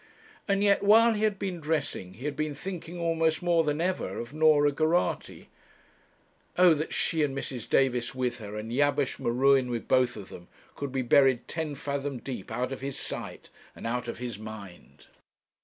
And yet while he had been dressing he had been thinking almost more than ever of Norah Geraghty. O that she, and Mrs. Davis with her, and Jabesh M'Ruen with both of them, could be buried ten fathom deep out of his sight, and out of his mind!